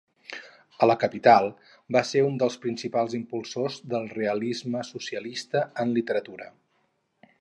A la capital, va ser un dels principals impulsors del realisme socialista en literatura.